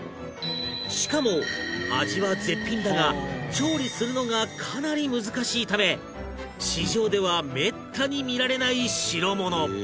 しかも味は絶品だが調理するのがかなり難しいため市場ではめったに見られない代物